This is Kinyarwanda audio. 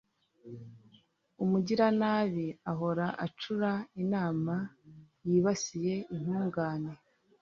Umugiranabi ahora acura inama yibasiye intungane